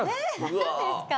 え何ですか。